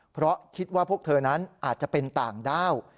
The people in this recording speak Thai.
เพราะคิดว่าพวกเธอนั้นอาจจะเป็นต่างด้าว